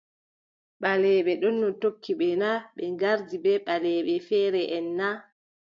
Ɓaleeɓe ɗono tokki ɓe na, ɓe ngardi ɓe ɓaleeɓe feereʼen na ?